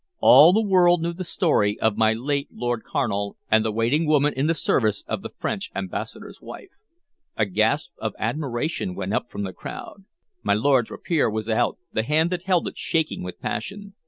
All the world knew the story of my late Lord Carnal and the waiting woman in the service of the French ambassador's wife. A gasp of admiration went up from the crowd. My lord's rapier was out, the hand that held it shaking with passion.